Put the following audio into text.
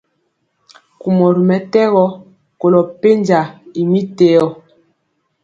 Kumɔ ri mɛtɛgɔ kolo penja y mi téo.